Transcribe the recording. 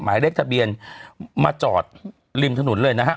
หมายเลขทะเบียนมาจอดริมถนนเลยนะฮะ